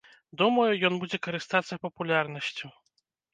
Думаю, ён будзе карыстацца папулярнасцю.